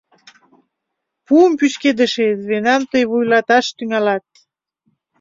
Пуым пӱчкедыше звенам тый вуйлаташ тӱҥалат!